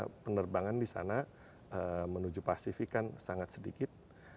jadi penerbangan di sana menuju pasifik kan sangat sedikit